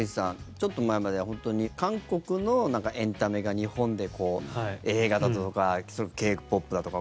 ちょっと前までは韓国のエンタメが、日本で映画だとかＫ−ＰＯＰだとか。